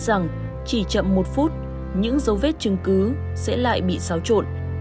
rằng chỉ chậm một phút những dấu vết chứng cứ sẽ lại bị xáo trộn